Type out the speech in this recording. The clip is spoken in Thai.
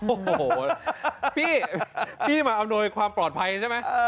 โอ้โหพี่พี่มาอำนวยความปลอดภัยใช่ไหม